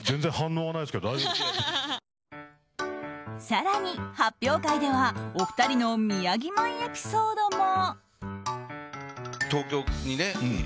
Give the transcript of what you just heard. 更に発表会ではお二人の宮城米エピソードも。